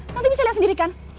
tante bisa liat sendiri kan